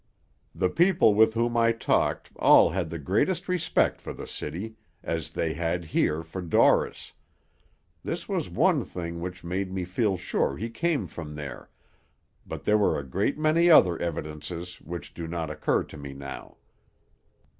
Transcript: The people with whom I talked all had the greatest respect for the city, as they had here for Dorris; this was one thing which made me feel sure he came from there, but there were a great many other evidences which do not occur to me now.